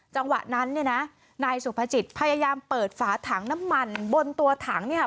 จังหวะนั้นเนี่ยนะนายสุภจิตพยายามเปิดฝาถังน้ำมันบนตัวถังเนี่ย